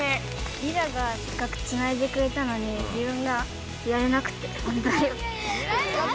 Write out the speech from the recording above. リラがせっかくつないでくれたのに自分がやれなくてほんとに。